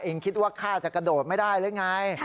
คิดว่าข้าจะกระโดดไม่ได้หรือไง